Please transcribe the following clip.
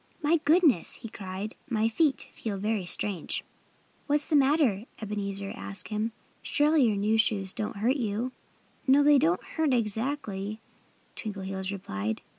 "My goodness!" he cried. "My feet feel very strange." "What's the matter?" Ebenezer asked him. "Surely your new shoes don't hurt you!" "No! They don't hurt, exactly," Twinkleheels replied.